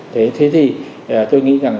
thế thì tôi nghĩ rằng